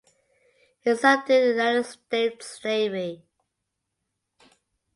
He served in the United States Navy.